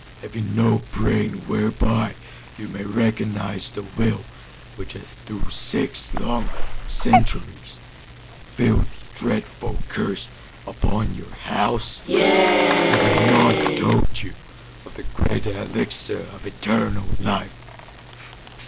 Have you no brain whereby you may recognize the will which has through six long centuries fulfilled the dreadful curse upon your house? Have I not told you of the great elixir of eternal life?